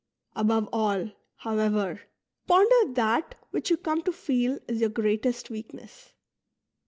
Above all, however, ponder that which you come to feel is your greatest weakness.